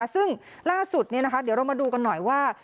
ซึ่งล่าสุดเดี๋ยวเรามาดูกันหน่อยว่า